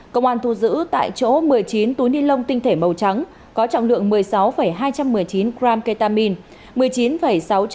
công an thu giữ tại chỗ một mươi chín túi ni lông tinh thể màu trắng có trọng lượng một mươi sáu hai trăm một mươi chín gram ketamine